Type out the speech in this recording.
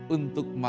untuk menguji allah